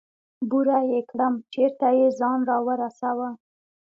بوره يې کړم چېرته يې ځان راورسوه.